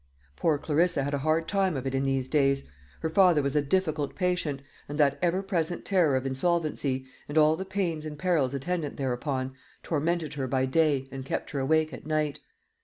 Poor Clarissa had a hard time of it in these days. Her father was a difficult patient, and that ever present terror of insolvency, and all the pains and perils attendant thereupon, tormented her by day and kept her awake at night.